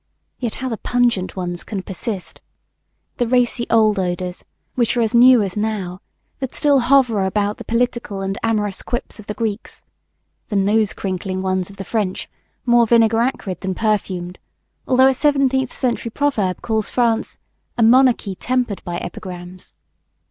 Yet how the pungent ones can persist! The racy old odors, which are as new as now, that still hover about the political and amorous quips of the Greeks. The nose crinkling ones of the French, more vinegar acrid than perfumed, although a seventeenth century proverb calls France "a monarchy tempered by epigrams."